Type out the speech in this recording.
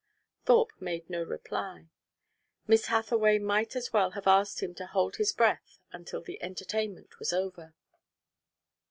Thorpe made no reply. Miss Hathaway might as well have asked him to hold his breath until the entertainment was over.